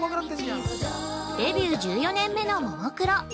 ◆デビュー１４年目のももクロ。